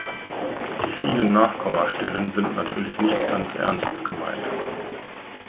Die vielen Nachkommastellen sind natürlich nicht ganz ernst gemeint.